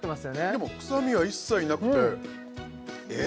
でも臭みは一切なくてえ！？